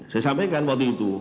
saya sampaikan waktu itu